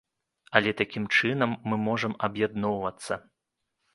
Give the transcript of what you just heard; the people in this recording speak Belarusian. Але такім чынам мы можам аб'ядноўвацца.